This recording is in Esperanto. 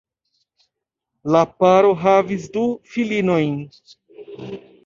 La paro havis du filinojn.